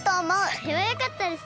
それはよかったですね。